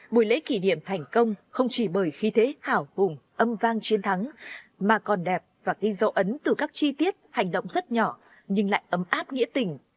buổi lễ kỷ niệm thành công không chỉ bởi khí thế hào hùng âm vang chiến thắng mà còn đẹp và ghi dấu ấn từ các chi tiết hành động rất nhỏ nhưng lại ấm áp nghĩa tình